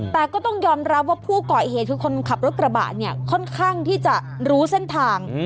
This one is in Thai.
แต่ก็ต้องยอมรับว่าผู้ก่อเหตุคือคนขับรถกระบะเนี่ยค่อนข้างที่จะรู้เส้นทาง